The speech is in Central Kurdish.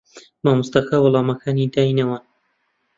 مامۆستاکە وەڵامەکانی دەداینەوە.